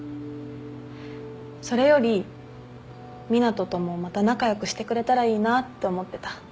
それより湊斗ともまた仲良くしてくれたらいいなって思ってた。